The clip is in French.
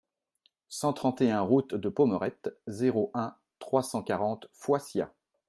cent trente et un route de Pommerette, zéro un, trois cent quarante, Foissiat